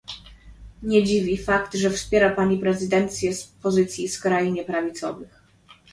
Nie dziwi fakt, że wspiera Pani prezydencję z pozycji skrajnie prawicowych